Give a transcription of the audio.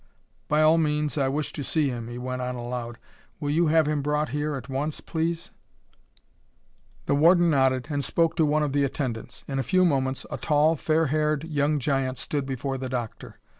"By all means, I wish to see him," he went on aloud. "Will you have him brought here at once, please?" The warden nodded and spoke to one of the attendants. In a few moments a tall, fair haired young giant stood before the doctor.